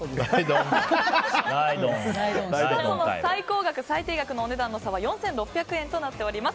最高額、最低額のお値段の差は４６００円となっております。